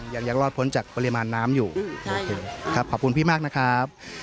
อย่างยังรอดพ้นจากปริมาณน้ำอยู่ขอบคุณพี่มากนะครับ